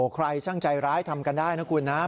ใครซั่งใจร้ายทำกันได้นะครับ